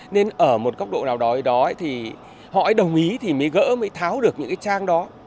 nên ở một góc độ nào đó thì họ đồng ý thì mới gỡ mới tháo được những cái trang đó